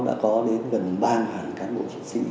đã có đến gần ba hàng cán bộ